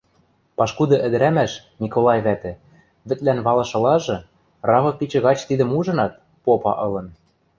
Пашкуды ӹдӹрӓмӓш, Миколай вӓтӹ, вӹдлӓн валышылажы, равы пичӹ гач тидӹм ужынат, попа ылын.